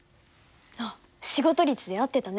あっ仕事率で合ってたね。